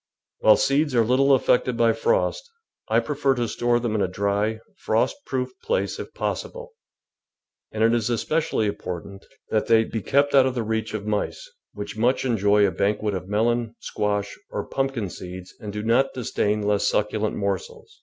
While seeds are little affected by frost, I prefer to store them in a dry, frost proof place if possible, and it is espe cially important that they be kept out of the reach THE VEGETABLE GARDEN of mice, which much enjoy a banquet of melon, squash, or pumpkin seeds and do not disdain less succulent morsels.